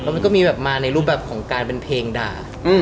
มันก็มีแบบมาในรูปแบบของการเป็นเพลงด่า